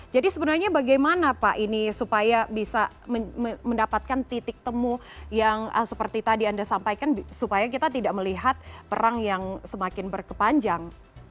jadi sebenarnya bagaimana pak ini supaya bisa mendapatkan titik temu yang seperti tadi anda sampaikan supaya kita tidak melihat perang yang semakin berkepanjang